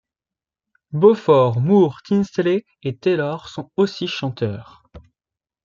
Beauford, Moore, Tinsley et Taylor sont aussi chanteurs.